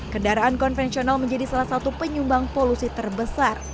kendaraan konvensional menjadi salah satu penyumbang polusi terbesar